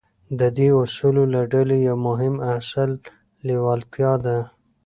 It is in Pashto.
د دې اصولو له ډلې يو مهم اصل لېوالتیا ده.